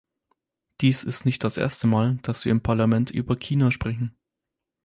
Dies ist nicht das erste Mal, dass wir im Parlament über China sprechen.